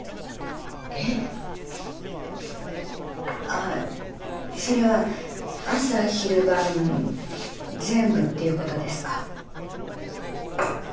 あそれは朝昼晩全部っていうことですか？